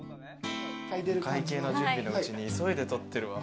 お会計の準備のうちに急いで撮ってるわ。